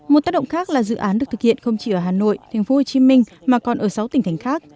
một tác động khác là dự án được thực hiện không chỉ ở hà nội tp hcm mà còn ở sáu tỉnh thành khác